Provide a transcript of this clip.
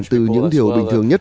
từ những điều bình thường nhất